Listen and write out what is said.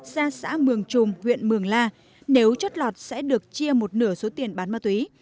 ra xã mường trùm huyện mường la nếu chót lọt sẽ được chia một nửa số tiền bán ma túy